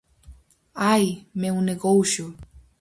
Ai, meu negouxo!